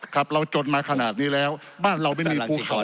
ครับเราจนมาขนาดนี้แล้วบ้านเราไม่มีผู้ปกครอง